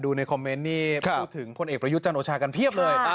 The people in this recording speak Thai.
ในคอมเมนต์นี่พูดถึงพลเอกประยุทธ์จันโอชากันเพียบเลย